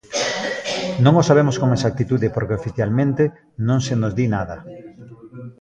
Non o sabemos con exactitude porque oficialmente non se nos di nada.